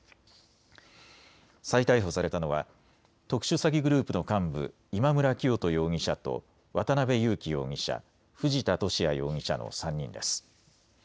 再逮捕されたのは特殊詐欺グループの幹部、今村磨人容疑者と渡邉優樹容疑者、藤田聖也容疑者の３人です。